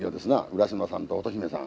浦島さんと乙姫さん。